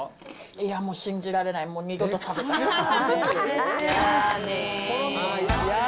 いや、もう信じられない、もう二度と食べたくない。